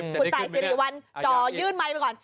คุณตายสิริวัลจอยื่นไมค์ไปก่อน